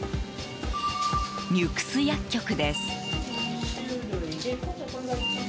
ニュクス薬局です。